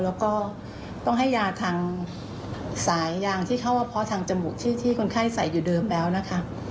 แล้วก็ต้องให้ยาทางสายยางที่เข้าว่าเพาะทางจมูกที่คนไข้ใส่อยู่เดิมแล้วนะคะ